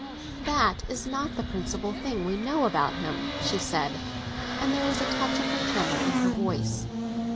"That is not the principal thing we know about him," she said; and there was a touch of her tremor in her voice.